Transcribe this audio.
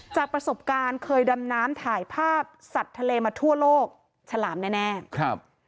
จากประสบการณ์เคยดำน้ำถ่ายภาพสัตว์ทะเลมาทั่วโลกฉลามแน่แน่ครับ